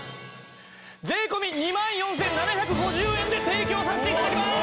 税込２万４７５０円で提供させて頂きます！